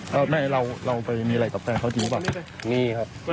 แฟนมาด้านนี้